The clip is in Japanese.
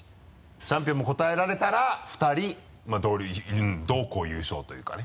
チャンピオンも答えられたら２人同校優勝というかね。